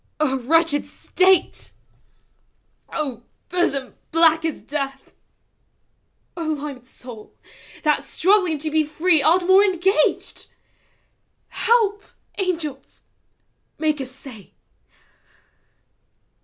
() wretched state! () hosom black as death! O limed soul, that, struggling to be free. Art more engaged! Help, angels! Make assay!